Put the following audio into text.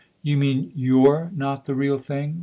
" You mean you're not the real thing